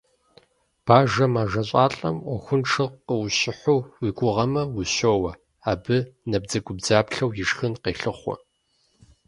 Бажэ мэжэщӏалӏэм ӏуэхуншэу къыущыхь уи гугъэмэ, ущоуэ, абы набдзэгубдзаплъэу ишхын къелъыхъуэ.